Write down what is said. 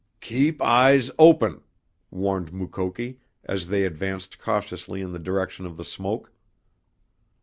"Keep eyes open!" warned Mukoki as they advanced cautiously in the direction of the smoke.